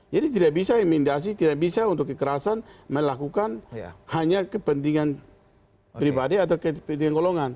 jadi tidak bisa imitasi tidak bisa untuk kekerasan melakukan hanya kepentingan pribadi atau kepentingan golongan